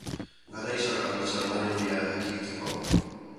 Garaiz al gabiltza hondamendia ekiditeko?